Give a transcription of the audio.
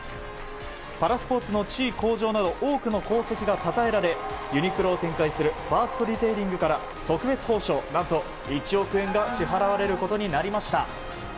パラスポーツの地位向上など多くの功績がたたえられ、ユニクロを展開するファーストリテイリングから特別報奨、何と１億円が支払われることになりました。